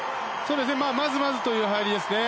まずまずという入りですね。